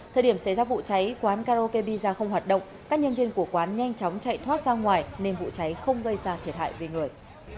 thời điểm xảy ra vụ cháy quán karaoke pizza không hoạt động các nhân viên của quán nhanh chóng chạy thoát sang ngoài nên vụ cháy không gây ra thiệt hại về người